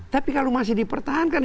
tapi kalau masih dipertahankan